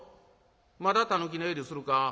まだたぬき寝入りするか？